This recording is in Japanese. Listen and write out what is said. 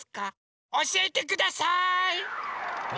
おしえてください！